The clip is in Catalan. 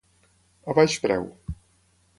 A baix preu.